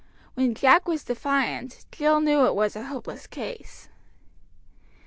When Jack was defiant, Jill knew it was a hopeless case.